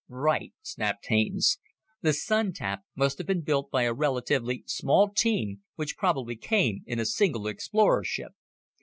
"Right!" snapped Haines. "The Sun tap must have been built by a relatively small team, which probably came in a single explorer ship.